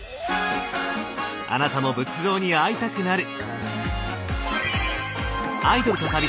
あなたも仏像に会いたくなる！